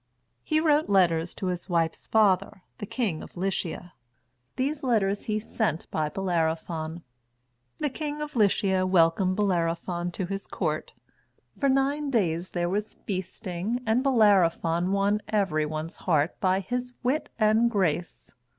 He wrote letters to his wife's father, the King of Lycia. These letters he sent by Bellerophon. The King of Lycia welcomed Bellerophon to his court. For nine days there was feasting, and Bellerophon won everyone's heart by his wit and grace.